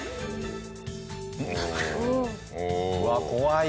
うわっ怖い！